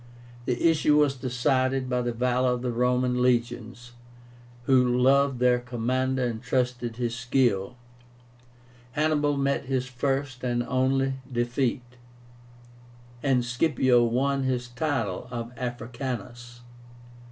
The issue was decided by the valor of the Roman legions, who loved their commander and trusted his skill. Hannibal met his first and only defeat, and Scipio won his title of AFRICÁNUS.